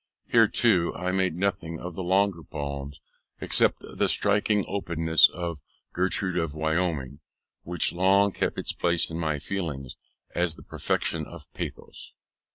Here, too, I made nothing of the longer poems, except the striking opening of Gertrude of Wyoming, which long kept its place in my feelings as the perfection of pathos.